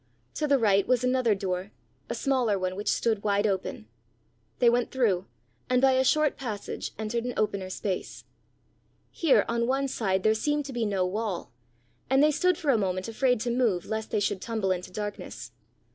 To the right was another door, a smaller one, which stood wide open. They went through, and by a short passage entered an opener space. Here on one side there seemed to be no wall, and they stood for a moment afraid to move lest they should tumble into darkness.